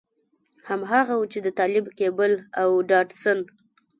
هماغه و چې د طالب کېبل او ډاټسن.